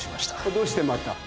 どうしてまた？